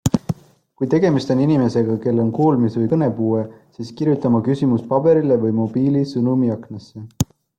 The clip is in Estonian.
Kui tegemist on inimesega, kel on kuulmis- või kõnepuue, siis kirjuta oma küsimus paberile või mobiili sõnumiaknasse.